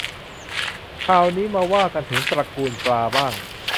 คราวนี้มาว่ากันถึงตระกูลปลาบ้าง